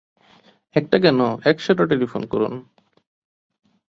একটা কেন, এক শাটা টেলিফোন করুন।